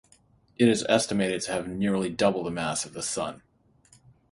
It is estimated to have nearly double the mass of the Sun.